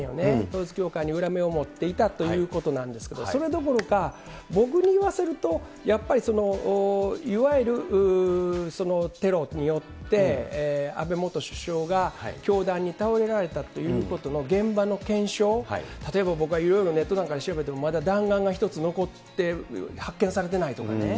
統一教会に恨みを持っていたということなんですけど、それどころか、僕に言わせると、やっぱりいわゆるテロによって、安倍元首相が凶弾に倒れられたということの現場の検証、例えば僕がいろいろ、ネットなんかで調べても、まだ弾丸が１つ残ってて、発見されてないとかね。